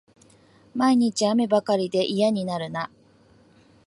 毎日、雨ばかりで嫌になるな